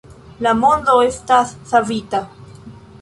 La mondo estas savita